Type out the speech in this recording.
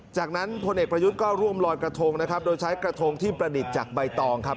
จากนั้นพลเอกประยุทธ์ก็ร่วมลอยกระทงนะครับโดยใช้กระทงที่ประดิษฐ์จากใบตองครับ